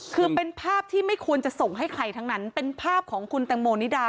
คือเป็นภาพที่ไม่ควรจะส่งให้ใครทั้งนั้นเป็นภาพของคุณแตงโมนิดา